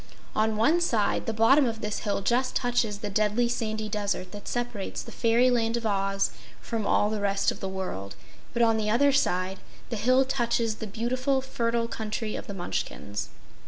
One one side, the bottom of this hill just touches the Deadly Sandy Desert that separates the Fairyland of Oz from all the rest of the world, but on the other side, the hill touches the beautiful, fertile Country of the Munchkins.